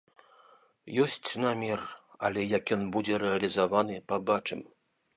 Ёсць намер, але як ён будзе рэалізаваны, пабачым.